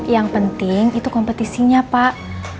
yang penting itu kompetisinya pak